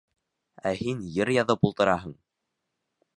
Ә һин йыр яҙып ултыраһың!